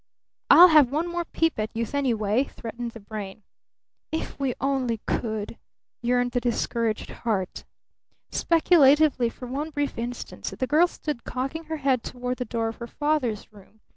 "I'll have one more peep at youth, anyway!" threatened the brain. "If we only could!" yearned the discouraged heart. Speculatively for one brief instant the girl stood cocking her head toward the door of her father's room.